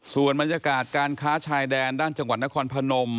ส่วนบรรยากาศการค้าชายแดนด้านจังหวัดนครพนม